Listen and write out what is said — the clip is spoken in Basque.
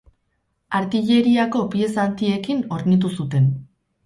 Artilleriako pieza handiekin hornitu zuten.